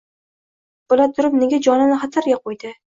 Bila turib nega jonini xatarga qoʻydi?